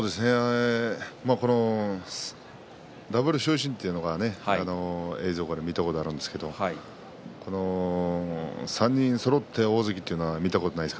ダブル昇進というのは見たことがありますが３人そろって大関というのは見たことがないので